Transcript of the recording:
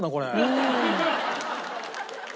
うん。